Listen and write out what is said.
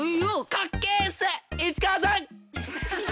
かっけえっす市川さん！